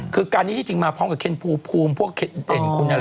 คือการนี้ที่จึงมาพร้อมแบบเพราะเค็ญพูมพวกเง็ดเป็นคุณ